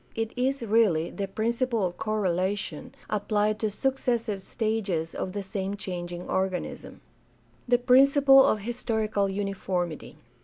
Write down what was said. It is really the principle of correlation applied to successive stages of the same changing organism. The principle of historical uniformity.